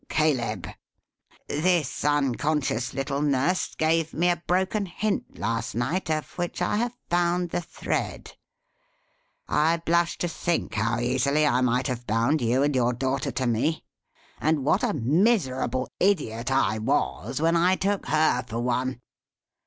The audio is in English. Caleb! This unconscious little nurse gave me a broken hint last night, of which I have found the thread. I blush to think how easily I might have bound you and your daughter to me; and what a miserable idiot I was, when I took her for one!